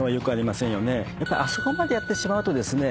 あそこまでやってしまうとですね